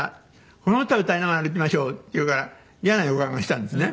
「この歌歌いながら歩きましょう」って言うから嫌な予感がしたんですね。